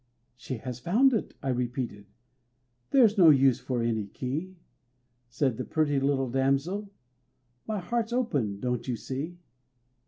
"She has found it," I repeated, "there's no use for any key." Said the pretty little damsel, "My heart's open, don't you see?"